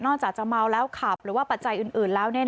จากจะเมาแล้วขับหรือว่าปัจจัยอื่นแล้ว